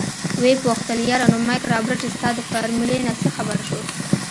ويې پوښتل يره نو مايک رابرټ ستا د فارمولې نه څه خبر شو.